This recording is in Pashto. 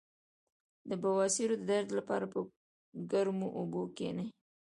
د بواسیر د درد لپاره په ګرمو اوبو کینئ